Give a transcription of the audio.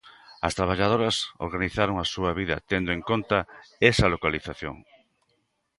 As traballadoras organizaron a súa vida tendo en conta esa localización.